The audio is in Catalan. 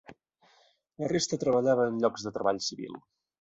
La resta treballava en llocs de treball civil.